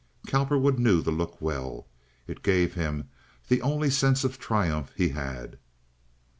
Cowperwood knew the look well. It gave him the only sense of triumph he had.